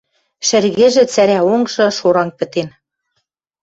Шӹргӹжӹ, цӓрӓ онгжы шоранг пӹтен.